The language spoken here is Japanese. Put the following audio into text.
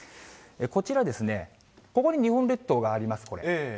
こちら、ここに日本列島があります、これ。